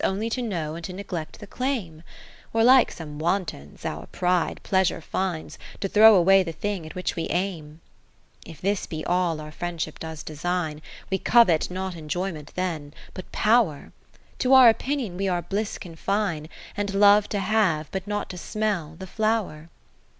Only to know and to neglect the claim ? Or (like some wantons) our pride pleasure finds, To throw away the thing at which we aim. V If this be all our Friendship does design. We covet not enjoyment then, but Power : To our opinion we our bliss confine. And love to have, but not to smell, the flower.